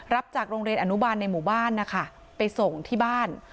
จากโรงเรียนอนุบาลในหมู่บ้านนะคะไปส่งที่บ้าน